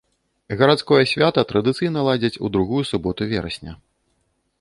Гарадское свята традыцыйна ладзяць у другую суботу верасня.